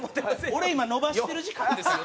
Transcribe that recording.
「俺今伸ばしてる時間ですよ」。